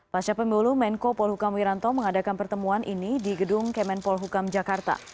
pasca pemilu menko polhukam wiranto mengadakan pertemuan ini di gedung kemenpol hukam jakarta